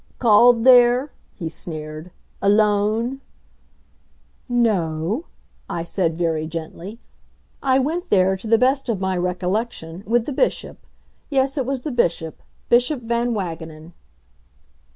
"Called there," he sneered, "alone?" "No," I said very gently. "I went there, to the best of my recollection, with the Bishop yes, it was the Bishop, Bishop Van Wagenen."